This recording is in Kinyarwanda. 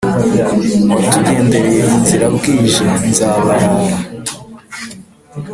watugendeye inzira bwije nzabarara,